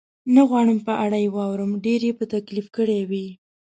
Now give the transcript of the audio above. نه غواړم په اړه یې واورم، ډېر یې په تکلیف کړی وې؟